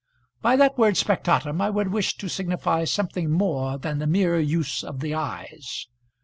By that word "spectatum" I would wish to signify something more than the mere use of the eyes.